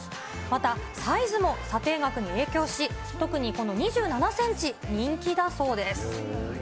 また、サイズも査定額に影響し、特にこの２７センチ、人気だそうです。